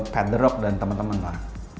pat the rock dan temen temen lah